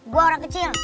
gue orang kecil